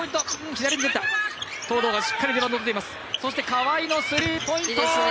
川井のスリーポイント！